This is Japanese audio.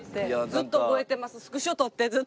ずっと覚えてます。